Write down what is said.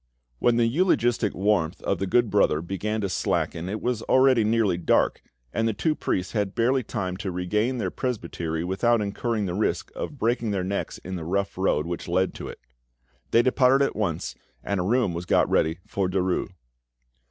When the eulogistic warmth of the good brother began to slacken it was already nearly dark, and the two priests had barely time to regain the presbytery without incurring the risk of breaking their necks in the rough road which led to it. They departed at once, and a room was got ready for Derues.